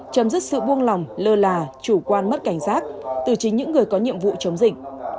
chấm dứt sự buông lòng lơ là chủ quan mất cảnh giác từ chính những người có nhiệm vụ chống dịch